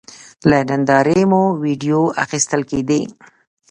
له نندارې مو وېډیو اخیستل کېدې.